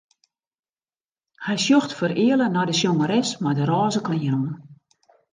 Hy sjocht fereale nei de sjongeres mei de rôze klean oan.